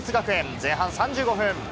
前半３５分。